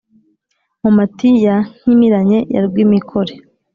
nkomati ya nkimiranye ya rwimikore